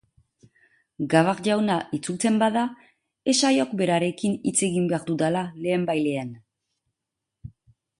Gavard jauna itzultzen bada, esaiok berarekin hitz egin behar dudala lehenbailehen.